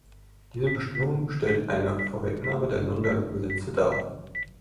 Diese Bestimmung stellt eine Vorwegnahme der Nürnberger Gesetze dar.